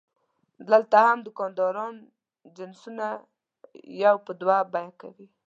دلته هم دوکانداران جنسونه یو په دوه بیه کوي.